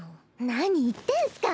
何言ってんスか。